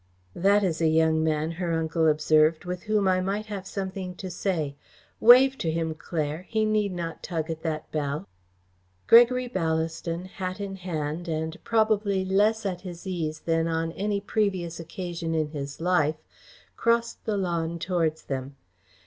"That is a young man," her uncle observed, "with whom I might have something to say. Wave to him, Claire. He need not tug at that bell." Gregory Ballaston, hat in hand, and probably less at his ease than on any previous occasion in his life, crossed the lawn towards them.